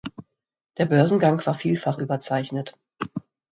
Der Börsengang war vielfach überzeichnet.